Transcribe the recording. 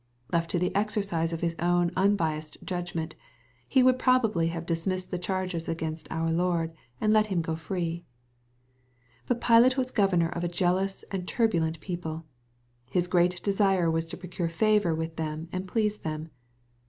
'' Left to the exercise of his own unbiassed judgment, he would probably have dismissed the charges against our Lord, and let Him go free. But Pilate was govciTior of a jealous and turbulent people. His great desire was to procure favor with them and please them.